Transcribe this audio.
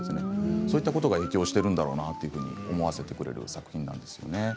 そういうことが影響していくんだろうなと思わせる作品なんですね。